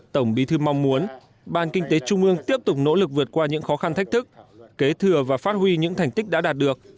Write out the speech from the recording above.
tổng bí thư mong muốn ban kinh tế trung ương tiếp tục nỗ lực vượt qua những khó khăn thách thức kế thừa và phát huy những thành tích đã đạt được